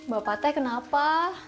bapak teh kenapa